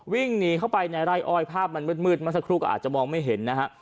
วิ่งหนีเข้าไปในไร่อ้อยภาพมันมืดเมื่อสักครู่ก็อาจจะมองไม่เห็นนะฮะ